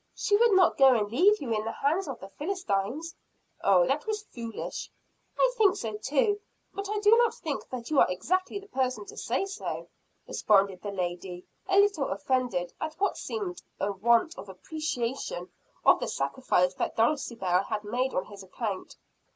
She would not go and leave you in the hands of the Philistines." "Oh, that was foolish." "I think so, too; but I do not think that you are exactly the person to say so," responded the lady, a little offended at what seemed a want of appreciation of the sacrifice that Dulcibel had made on his account.